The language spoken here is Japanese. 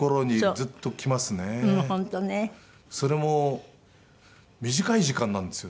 それも短い時間なんですよね。